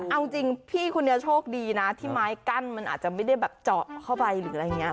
เอาจริงพี่คนนี้โชคดีนะที่ไม้กั้นมันอาจจะไม่ได้แบบเจาะเข้าไปหรืออะไรอย่างนี้